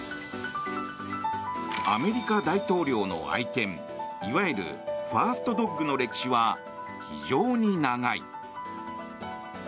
アメリカ大統領の愛犬いわゆるファーストドッグの歴史は非常に長い。